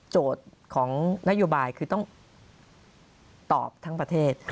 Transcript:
ของนโยบายคือต้องตอบทั้งประเทศ